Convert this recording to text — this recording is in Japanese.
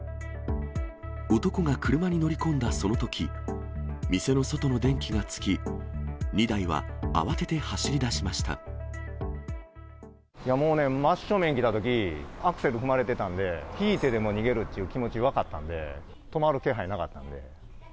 男が車に乗り込んだそのとき、店の外の電気がつき、もうね、真正面来たとき、アクセル踏まれてたんで、ひいてでも逃げるって気持ちが分かったんで、止まる気配なかったんで。